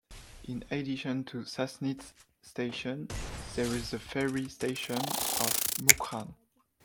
In addition to Sassnitz station there is the ferry station of Mukran.